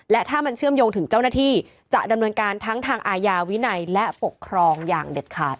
และถ้ามันเชื่อมโยงถึงเจ้าหน้าที่จะดำเนินการทั้งทางอาญาวินัยและปกครองอย่างเด็ดขาด